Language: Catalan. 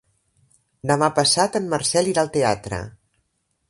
Demà passat en Marcel irà al teatre.